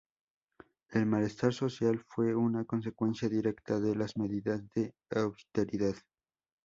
El malestar social fue una consecuencia directa de las medidas de austeridad.